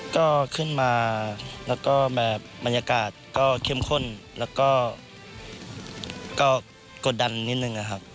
ก็ขึ้นมาแล้วก็แบบบรรยากาศก็เข้มข้นแล้วก็กดดันนิดนึงนะครับ